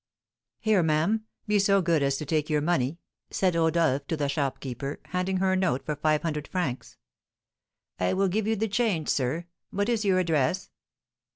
"Here, ma'am, be so good as to take your money," said Rodolph to the shopkeeper, handing her a note for five hundred francs. "I will give you the change, sir. What is your address?"